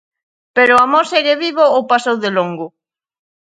Pero o amor segue vivo ou pasou de longo?